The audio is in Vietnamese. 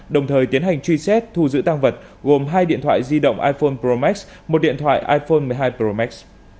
đồng thời tiến hành truy xét thu giữ tăng vật gồm hai điện thoại di động iphone pro max một điện thoại iphone một mươi hai pro max